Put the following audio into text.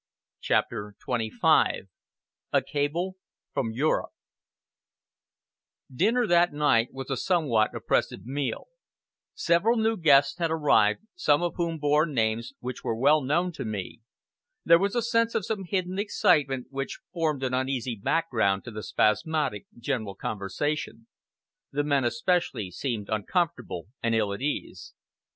CHAPTER XXV A CABLE FROM EUROPE Dinner that night was a somewhat oppressive meal. Several new guests had arrived, some of whom bore names which were well known to me. There was a sense of some hidden excitement, which formed an uneasy background to the spasmodic general conversation. The men especially seemed uncomfortable and ill at ease.